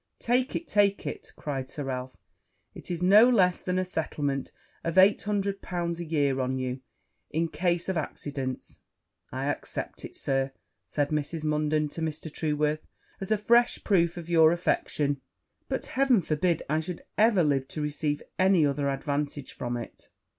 'Take it, take it!' cried Sir Ralph; 'it is no less than a settlement of eight hundred pounds a year on you in case of accidents.' 'I accept it, Sir,' said Mrs. Munden to Mr. Trueworth, 'as a fresh proof of your affection: but Heaven forbid I should ever live to receive any other advantage from it.'